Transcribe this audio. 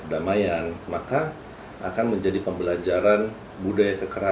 tindakan yang dilakukan oleh kedua oknum pelaku ini sangat melukai atau mencederai